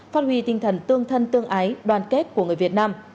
phát huy tinh thần tương thân tương ái đoàn kết của người việt nam